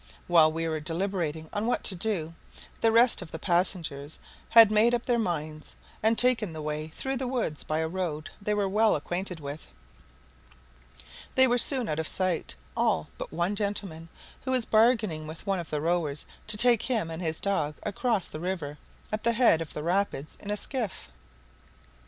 While we were deliberating on what to do, the rest of the passengers had made up their minds, and taken the way through the woods by a road they were well acquainted with. They were soon out of sight, all but one gentleman, who was bargaining with one of the rowers to take him and his dog across the river at the head of the rapids in a skiff.